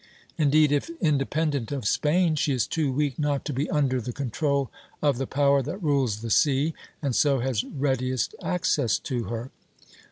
Indeed, if independent of Spain, she is too weak not to be under the control of the power that rules the sea and so has readiest access to her.